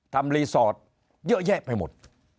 ทำรีสอร์ทเยอะแยะไปหมด